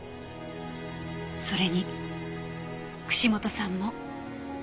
それに串本さんも。